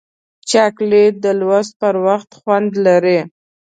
چاکلېټ د لوست پر وخت خوند لري.